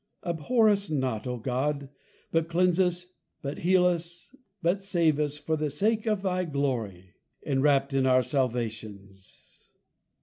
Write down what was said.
Abhor us not, O God, but cleanse us, but heal us, but save us, for the sake of thy Glory. Enwrapped in our Salvations.